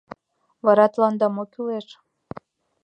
Вара тыланда мо кӱлеш